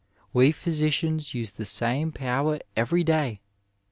We pliysicians use the same power every day.